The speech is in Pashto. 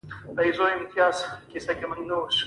په اوسني وخت کې ازبکستان یو خپلواک جمهوریت دی.